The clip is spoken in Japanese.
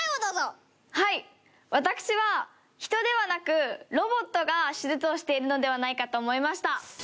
私は人ではなくロボットが手術をしているのではないかと思いました。